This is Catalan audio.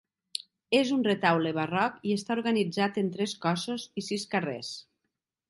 És un retaule barroc i està organitzat en tres cossos i sis carrers.